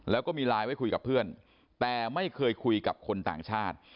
แล้วก็มีไลน์ไว้คุยกับเพื่อนแต่ไม่เคยคุยกับคนต่างชาติ